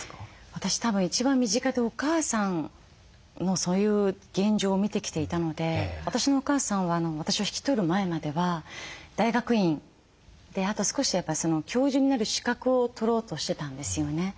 私たぶん一番身近でお母さんのそういう現状を見てきていたので私のお母さんは私を引き取る前までは大学院であと少しで教授になる資格を取ろうとしてたんですよね。